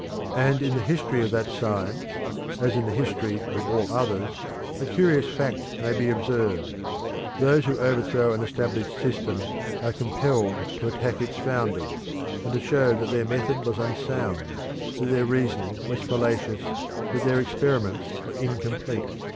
And in the history of that science, as in the history of all others, a curious fact may be observed. Those who overthrow an established system are compelled to attack its founders, and to show that their method was unsound, that their reasoning was fallacious, that their experiments were incomplete.